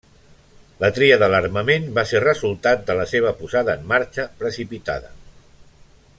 La tria de l'armament va ser resultat de la seva posada en marxa precipitada.